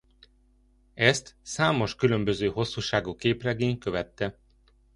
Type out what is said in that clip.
Ezt számos különböző hosszúságú képregény követte.